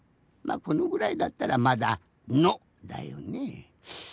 まあこのぐらいだったらまだ「の」だよね。